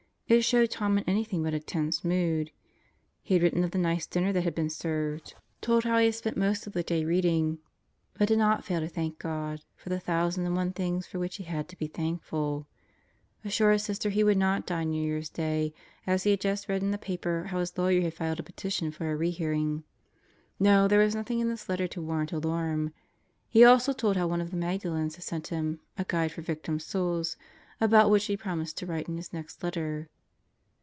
It showed Tom in anything but a tense mood. He had written of the nice dinner that had been served; told how he had 140 God Goes to Murderers Row spent most of the day reading, "but did not fail to thank God for the thousand and one things for which he had to be thankful"; assured Sister he would not die New Year's Day, as he had just read in the paper how his lawyer had filed a petition for a rehearing. No, there was nothing in this letter to warrant alarm. He also told how one of the Magdalens had sent him A Guide for Victim Souls about which he promised to write in his next letter.